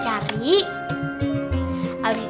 pasti aku akan ke sana